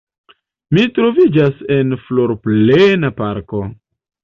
Mi troviĝas en florplena parko.